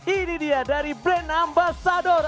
ini dia dari brand ambasador